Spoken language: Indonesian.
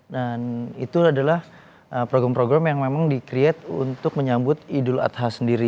dan itu adalah program program yang memang di create untuk menyambut idul adha sendiri